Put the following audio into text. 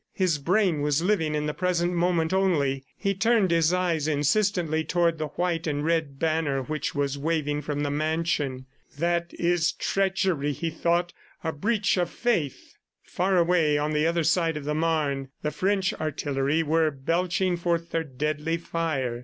His brain was living in the present moment only. He turned his eyes insistently toward the white and red banner which was waving from the mansion. "That is treachery," he thought, "a breach of faith." Far away, on the other side of the Marne, the French artillery were belching forth their deadly fire.